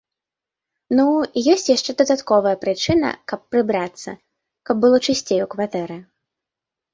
Ну, і ёсць яшчэ дадатковая прычына, каб прыбрацца, каб было чысцей у кватэры.